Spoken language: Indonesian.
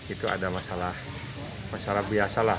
itu ada masalah masalah biasa lah